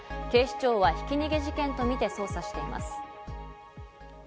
警視庁はひき逃げ事件とみて捜査しています。